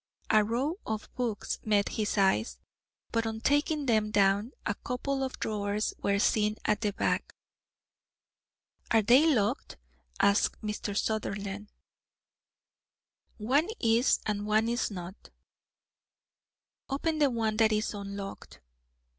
A row of books met his eyes, but on taking them down a couple of drawers were seen at the back. "Are they locked?" asked Mr. Sutherland. "One is and one is not." "Open the one that is unlocked." Mr.